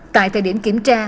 tại thời điểm kiểm tra